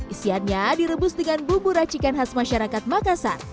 isiannya direbus dengan bumbu racikan khas masyarakat makassar